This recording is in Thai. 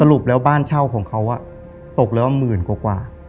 รุปแล้วบ้านเช่าของเขาตกแล้วหมื่นกว่า